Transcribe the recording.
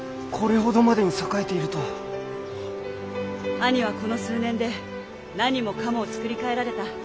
兄はこの数年で何もかもを作り替えられた。